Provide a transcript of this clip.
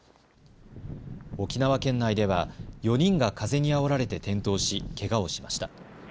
沖縄県内では４人が風にあおられて転倒しけがをしました。